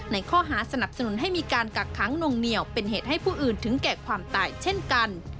ในข้อหาสนับสนุนให้มีการกักค้างนวงเหนียวเป็นเหตุให้ผู้อื่นถึงแก่ความตายเช่นกัน